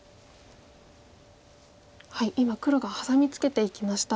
今黒がハサミツケていきました。